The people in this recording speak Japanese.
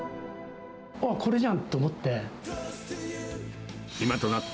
おっ、これじゃんって思って。